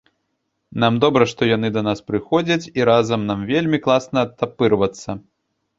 Нам добра што яны да нас прыходзяць, і разам нам вельмі класна адтапырвацца.